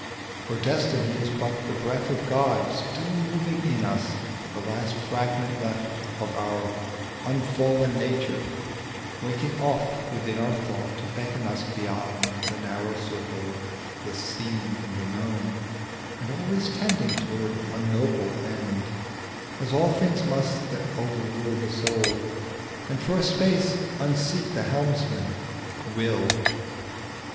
For Destiny is but the breath of God Still moving in us, the last fragment left Of our unfallen nature, waking oft Within our thought, to beckon us beyond The narrow circle of the seen and known, And always tending to a noble end, As all things must that overrule the soul, And for a space unseat the helmsman, Will.